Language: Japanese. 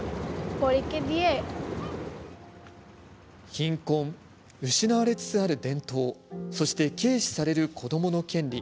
貧困、失われつつある伝統そして、軽視される子どもの権利。